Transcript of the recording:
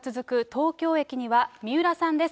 東京駅には三浦さんです。